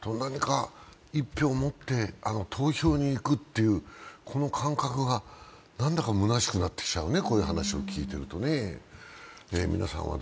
一票を持って投票に行くという感覚が何だか虚しくなってきちゃうね、こういう話を聞いていると。